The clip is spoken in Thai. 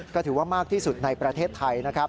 ก็ถือว่ามากที่สุดในประเทศไทยนะครับ